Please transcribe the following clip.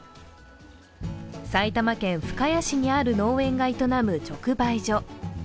埼玉県深谷市にある農園が営む直売所。